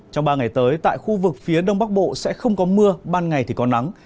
trong ba ngày tới tại khu vực phía đông bắc bộ sẽ không có mưa ban ngày thì có nắng